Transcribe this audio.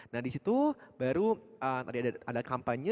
nah disitu baru tadi ada kampanye